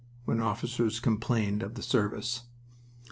when officers complained of the service...